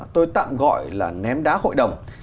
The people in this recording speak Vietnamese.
tôi tạm gọi là ném đá hội đồng